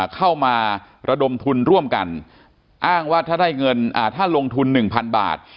เข้ามาระดมทุนร่วมกันอ้างว่าถ้าได้เงินถ้าลงทุน๑๐๐๐บาท